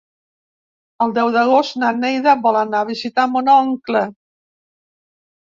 El deu d'agost na Neida vol anar a visitar mon oncle.